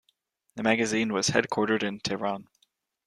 The magazine was headquartered in Tehran.